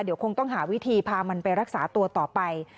เดี๋ยวคงต้องหาวิธีพามันไปรักษาตัวต่อไป